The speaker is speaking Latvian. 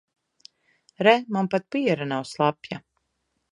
Re, man pat piere nav slapja.